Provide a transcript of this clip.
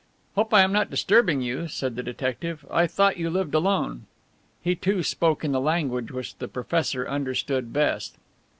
"Hope I am not disturbing you," said the detective. "I thought you lived alone." He, too, spoke in the language which the professor understood best.